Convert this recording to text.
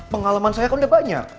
pengalaman saya kan udah banyak